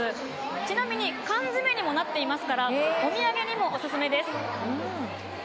ちなみに缶詰にもなっていますからお土産にもお勧めです。